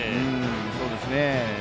そうですね。